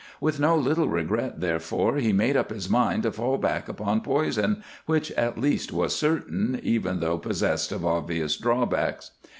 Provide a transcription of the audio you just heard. With no little regret, therefore, he made up his mind to fall back upon poison, which at least was certain, even though possessed of obvious drawbacks.